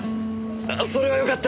それはよかった。